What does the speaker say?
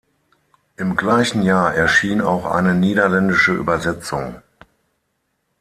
Im gleichen Jahr erschien auch eine niederländische Übersetzung.